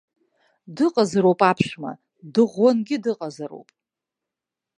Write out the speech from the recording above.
Дыҟазароуп аԥшәма, дыӷәӷәангьы дыҟазароуп.